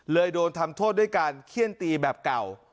โดนทำโทษด้วยการเขี้ยนตีแบบเก่า